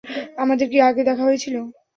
আমাদের কি আগে দেখা হয়েছিল?